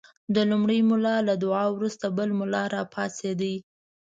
د لومړي ملا له دعا وروسته بل ملا راپاڅېد.